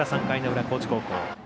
３回の裏、高知高校。